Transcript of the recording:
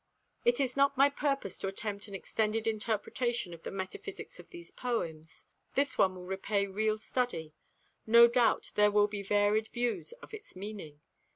It is not my purpose to attempt an extended interpretation of the metaphysics of these poems. This one will repay real study. No doubt there will be varied views of its meaning.